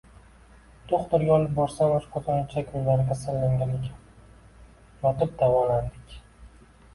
Do`xtirga olib borsam, oshqozon-ichak yo`llari kasallangan ekan, yotib davolandik